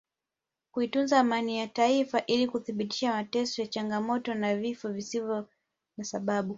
kuitunza amani ya Taifa ili kudhibiti mateso changamoto na vifo visivyo na sababu